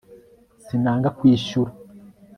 sinanga kwishyura